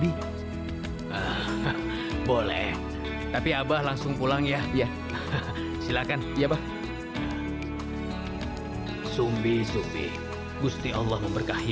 dia lelaki yang baik dan sayang sama aku